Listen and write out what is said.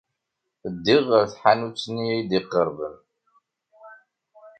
Ddiɣ ɣer tḥanut-nni ay d-iqerben.